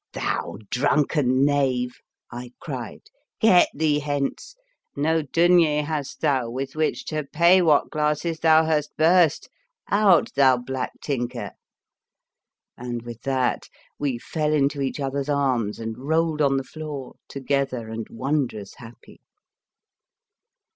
" Thou drunken knave," I cried, 1 ' get thee hence ; no denier hast thou with which to pay what glasses thou hast burst! Out, thou black tinker! " and with that we fell into each other's arms and rolled on the floor, together and wondrous happy.